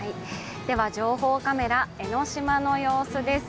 情報カメラ、江の島の様子です。